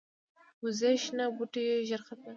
وزې شنه بوټي ژر ختموي